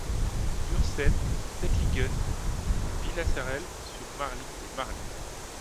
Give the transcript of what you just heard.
Ursen, Tentlingen, Villarsel-sur-Marly et Marly.